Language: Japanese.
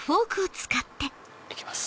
いきます。